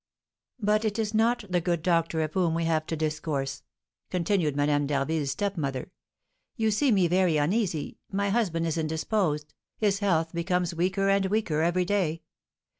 "But it is not the good doctor of whom we have to discourse," continued Madame d'Harville's stepmother. "You see me very uneasy. My husband is indisposed; his health becomes weaker and weaker every day.